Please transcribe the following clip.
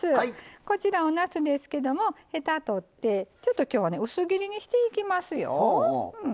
こちらおなすですけどもへたとってちょっと今日は薄切りにしていきますよ。